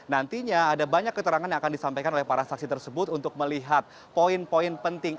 nantinya ada banyak keterangan yang akan disampaikan oleh para saksi tersebut untuk melihat poin poin penting